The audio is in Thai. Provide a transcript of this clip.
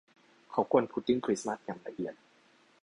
เขากวนพุดดิ้งคริสต์มาสอย่างละเอียด